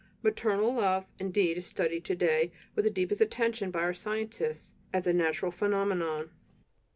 Maternal love, indeed, is studied to day with the deepest attention by our scientists as a natural phenomenon.